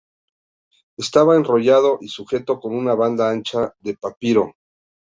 Estaba enrollado y sujeto con una banda ancha de papiro.